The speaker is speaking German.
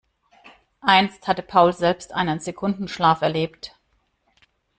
Einst hatte Paul selbst einen Sekundenschlaf erlebt.